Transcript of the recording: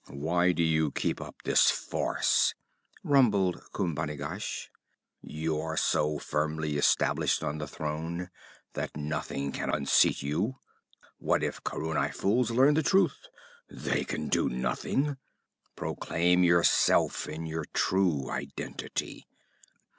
'Why do you keep up this farce?' rumbled Khumbanigash. 'You are so firmly established on the throne that nothing can unseat you. What if Khaurani fools learn the truth? They can do nothing. Proclaim yourself in your true identity!